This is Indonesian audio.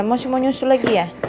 masih mau nyusul lagi ya